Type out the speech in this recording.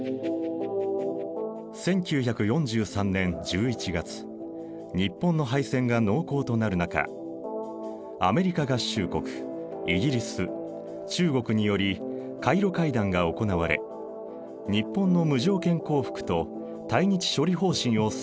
１９４３年１１月日本の敗戦が濃厚となる中アメリカ合衆国イギリス中国によりカイロ会談が行われ日本の無条件降伏と対日処理方針を定めた。